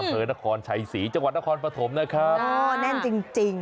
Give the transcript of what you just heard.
อเผยนครชัยศรีจังหวัดนครปฐมนะครับโอ้โหแน่นจริง